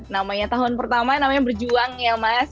namanya tahun pertama namanya berjuang ya mas